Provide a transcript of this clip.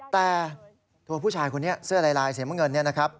แต่ตัวผู้ชายคนนี้เสื้อลายสีน้ำเงินเนี่ยนะครับ